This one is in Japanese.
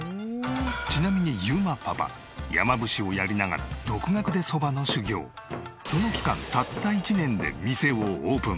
ちなみに裕磨パパ山伏をやりながらその期間たった１年で店をオープン。